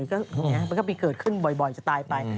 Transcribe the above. มันก็ไปเกิดขึ้นบ่อยจะตายไป